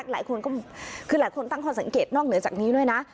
หลายคนก็คือหลายคนตั้งข้อสังเกตนอกเหนือจากนี้ด้วยนะ